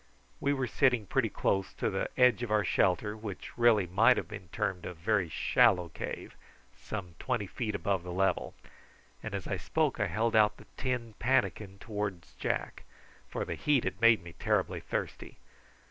We were sitting pretty close to the edge of our shelter, which really might have been termed a very shallow cave, some twenty feet above the level; and as I spoke I held out the tin pannikin towards Jack, for the heat had made me terribly thirsty.